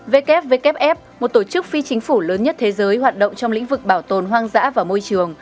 wwf một tổ chức phi chính phủ lớn nhất thế giới hoạt động trong lĩnh vực bảo tồn hoang dã và môi trường